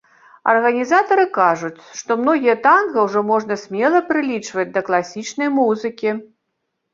Арганізатары кажуць, што многія танга ўжо можна смела прылічваць да класічнай музыкі.